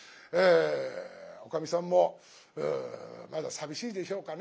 おかみさんもまだ寂しいでしょうかね。